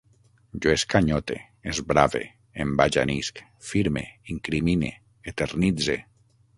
Jo escanyote, esbrave, embajanisc, firme, incrimine, eternitze